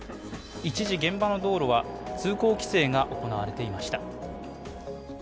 一時現場の道路は通行規制が行われていました。